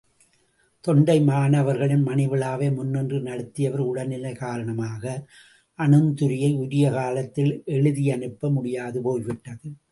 தொண்டைமானவர்களின் மணிவிழாவை முன்னின்று நடத்தியவர் உடல் நிலை காரணமாக, அணிந்துரையை உரிய காலத்தில் எழுதியனுப்ப முடியாது போய்விட்டது.